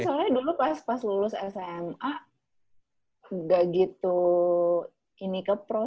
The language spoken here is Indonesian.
mungkin soalnya dulu pas lulus sma ga gitu ini ke pro sih